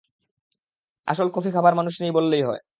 আসল কফি খাবার মানুষ নেই বললেই হয়।